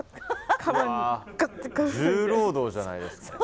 重労働じゃないですか。